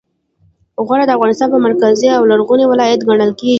غور د افغانستان یو مرکزي او لرغونی ولایت ګڼل کیږي